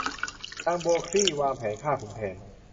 นางบัวคลี่วางแผนฆ่าขุนแผน